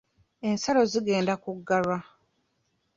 Ensalo zigenda kuggalwa.